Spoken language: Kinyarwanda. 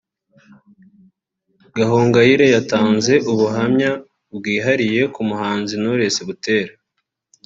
Gahongayire yatanze ubuhamya bwihariye ku muhanzi Knowless Butera